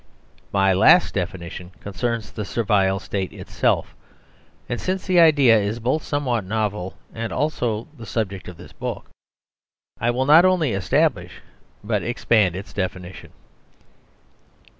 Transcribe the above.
My last definition concerns the Servile State it self, and since the idea is both somewhat novel and also the subject of this book, I will not only establish but expand its definition.